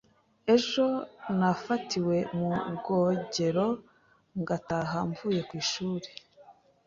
Ejo nafatiwe mu bwogero ngataha mvuye ku ishuri.